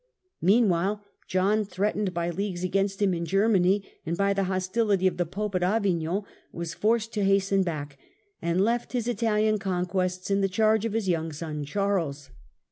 Meanwhile John, threatened by leagues against him in Germany and by the hostility of the Pope at Avignon, was forced to hasten back, and left his Italian conquests in the charge of his young son Charles.